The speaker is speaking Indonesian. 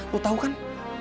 lo tau kan